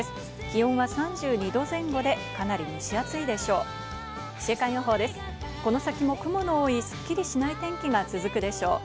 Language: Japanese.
気温は３２度前後でかなり蒸し暑いでしょう。